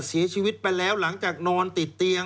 เสียชีวิตไปแล้วหลังจากนอนติดเตียง